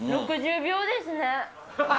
６０秒ですね。